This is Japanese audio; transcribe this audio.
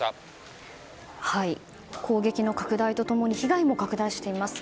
攻撃の拡大と共に被害も拡大しています。